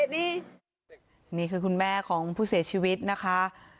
นี่นี่คือคุณแม่ของผู้เสียชีวิตนะคะ